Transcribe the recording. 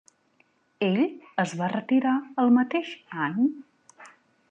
Ell es va retirar el mateix any.